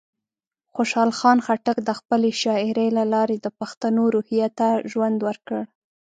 خوشحال خان خټک د خپلې شاعرۍ له لارې د پښتنو روحیه ته ژوند ورکړ.